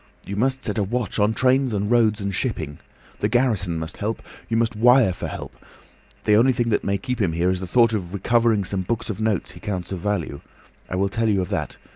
You must set a watch on trains and roads and shipping. The garrison must help. You must wire for help. The only thing that may keep him here is the thought of recovering some books of notes he counts of value. I will tell you of that!